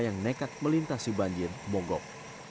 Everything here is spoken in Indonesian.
yang nekat melintasi banjir monggok